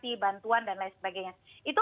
di bantuan dan lain sebagainya itu